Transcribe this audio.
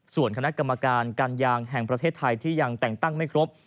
ส่วนคณะกรรมการการยางแห่งประเทศไทยที่ยังแต่งตั้งไม่ครบ